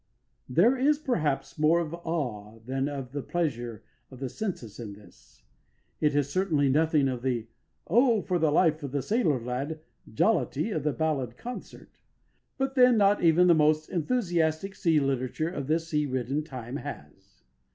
There is perhaps more of awe than of the pleasure of the senses in this. It has certainly nothing of the "Oh, for the life of the sailor lad" jollity of the ballad concert. But, then, not even the most enthusiastic sea literature of this sea ridden time has.